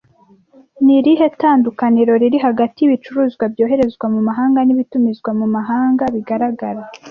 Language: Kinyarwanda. Ni irihe tandukaniro riri hagati y’ibicuruzwa byoherezwa mu mahanga n'ibitumizwa mu mahanga bigaragara